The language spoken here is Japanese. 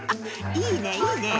いいねいいねぇ。